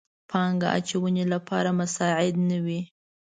پانګه اچونې لپاره مساعد نه وي.